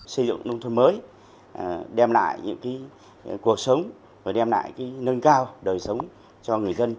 xây dựng nông thôn mới đem lại những cuộc sống và đem lại nâng cao đời sống cho người dân